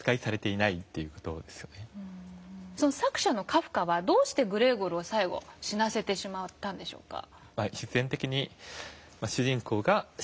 作者のカフカはどうしてグレーゴルを最後死なせてしまったんでしょうか？